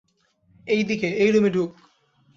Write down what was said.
এইদিকে, এই রুমে ঢুক।